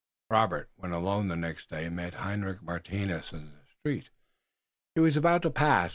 Robert, when alone the next day, met Hendrik Martinus in the street. Martinus was about to pas?